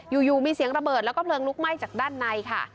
อยู่มีเสียงระเบิดแล้วก็เพลิงลุกไหม้จากด้านในค่ะ